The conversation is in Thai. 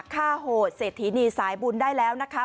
โหดเศรษฐีนีสายบุญได้แล้วนะคะ